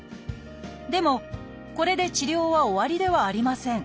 でもこれで治療は終わりではありません。